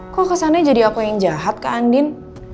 kok kesannya jadi aku yang jahat kak andin